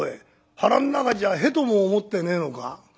腹ん中じゃ屁とも思ってねえのか？」。